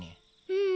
うん？